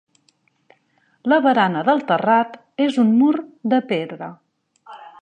La barana del terrat és un mur de pedra.